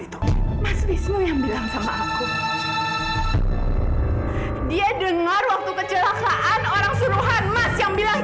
itu wisnu yang bilang ke aku mas